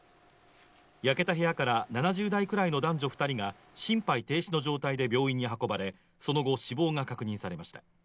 焼けた部屋から７０代くらいの男女２人が心肺停止の状態で病院に運ばれ、その後、死亡が確認されました。